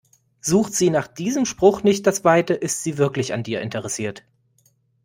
Sucht sie nach diesem Spruch nicht das Weite, ist sie wirklich an dir interessiert.